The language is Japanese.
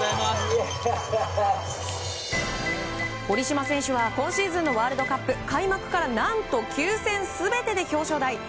堀島選手は今シーズンのワールドカップ開幕から何と９戦全てで表彰台。